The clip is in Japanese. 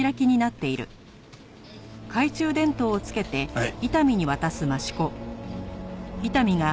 はい。